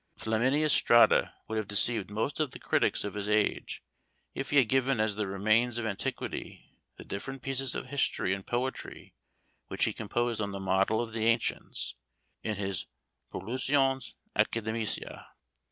Flaminius Strada would have deceived most of the critics of his age, if he had given as the remains of antiquity the different pieces of history and poetry which he composed on the model of the ancients, in his Prolusiones Academicæ.